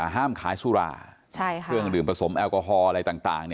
ห้ามขายสุราเครื่องดื่มผสมแอลกอฮอลอะไรต่าง